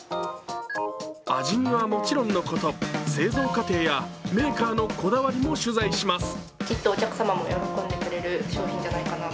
味見はもちろんのこと製造過程やメーカーのこだわりも取材します。